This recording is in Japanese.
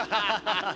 ハハハハ。